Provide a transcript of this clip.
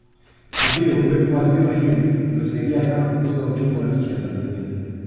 Kwa hiyo uwepo wa ziwa hili umesadia sana kukuza uchumi wa nchi ya Tanzania